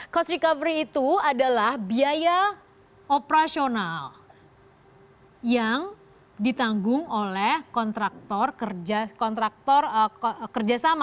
cost recovery itu adalah biaya operasional yang ditanggung oleh kontraktor kerjasama